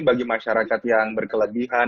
bagi masyarakat yang berkelebihan